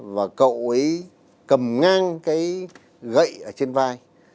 và cậu ấy cầm ngang cái gậy ở trên vai